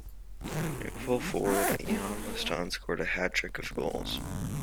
New full-forward Eoin Liston scored a hat-trick of goals.